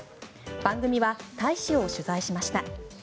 番組は大使を取材しました。